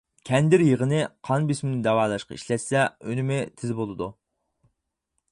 كەندىر يېغىنى قان بېسىمنى داۋالاشقا ئىشلەتسە، ئۈنۈمى تېز بولىدۇ.